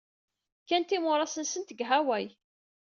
Kkant imuras-nsent deg Hawaii.